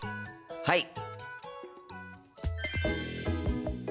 はい！